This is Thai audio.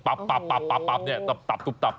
ปับเนี่ยตับตุ๊บ